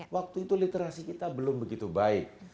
waktu itu literasi kita belum begitu baik